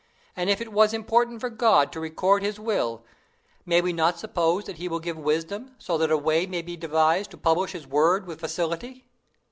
And if it was important for God to record his will, may we not suppose that He will give wisdom so that a way may be devised to publish his Word with facility?"